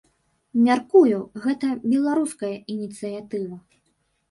Мяркую, гэта беларуская ініцыятыва.